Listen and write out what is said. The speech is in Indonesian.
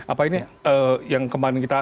apa ini yang kemarin kita